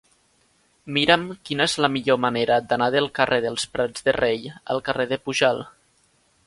Mira'm quina és la millor manera d'anar del carrer dels Prats de Rei al carrer de Pujalt.